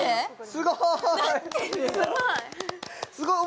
すごーい！